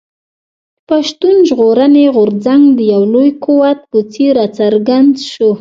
پښتون ژغورني غورځنګ د يو لوی قوت په څېر راڅرګند شو.